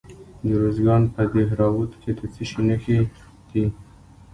د ارزګان په دهراوود کې د څه شي نښې دي؟